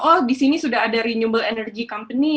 oh disini sudah ada renewable energy company